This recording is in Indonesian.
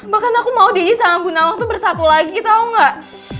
bahkan aku mau deddy sama bu nawang tuh bersatu lagi tau nggak